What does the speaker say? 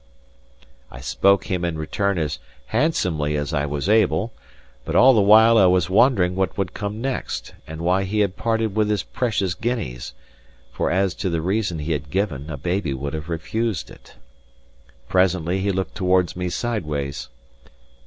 I spoke him in return as handsomely as I was able; but all the while I was wondering what would come next, and why he had parted with his precious guineas; for as to the reason he had given, a baby would have refused it. Presently he looked towards me sideways.